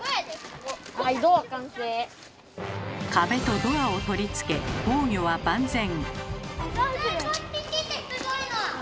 壁とドアを取り付け防御は万全。